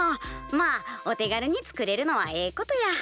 まあお手軽に作れるのはええことや。